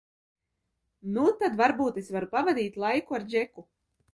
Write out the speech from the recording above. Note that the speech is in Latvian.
Nu, tad varbūt es varu pavadīt laiku ar Džeku?